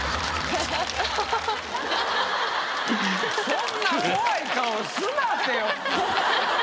そんな怖い顔すなって！